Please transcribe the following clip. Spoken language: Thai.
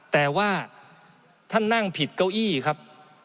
แต่ว่าท่านนั่งผิดเก้าอี้ครับ